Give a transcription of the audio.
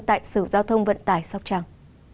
tại sở giao thông vận tải sóc trăng